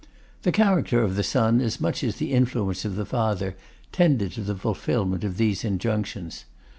The character of the son as much as the influence of the father, tended to the fulfilment of these injunctions.